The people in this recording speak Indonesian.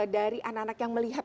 dari anak anak yang melihat